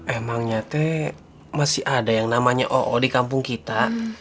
emang nyate masih ada yang namanya oo di kampung kita